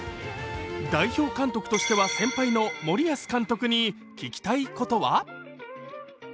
代表監督としては先輩の森保監督に聞きたいことは？